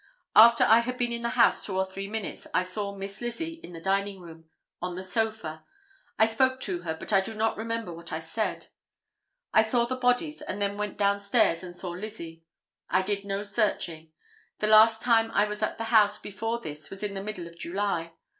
After I had been in the house two or three minutes I saw Miss Lizzie in the dining room on the sofa. I spoke to her, but I do not remember what I said. I saw the bodies and then went down stairs and saw Lizzie. I did no searching. The last time I was at the house before this was in the middle of July.